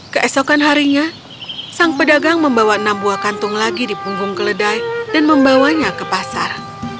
keesokan harinya sang pedagang membawa enam buah kantung lagi di punggung keledai dan membawanya ke pasar